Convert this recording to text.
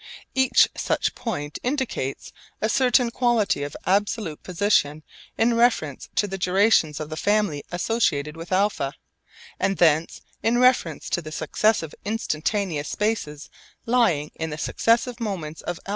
Each such point indicates a certain quality of absolute position in reference to the durations of the family associated with α, and thence in reference to the successive instantaneous spaces lying in the successive moments of α.